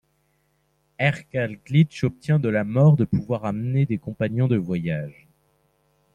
Elckerlijc obtient de la Mort de pouvoir emmener des compagnons de voyage.